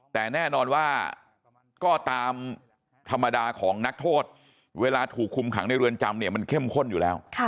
แต่แน่นอนว่าก็ตามธรรมดาของนักโทษเวลาถูกคุมขังในเรือนจำเนี่ยมันเข้มข้นอยู่แล้ว